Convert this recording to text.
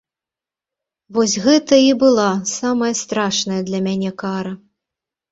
Вось гэта і была самая страшная для мяне кара!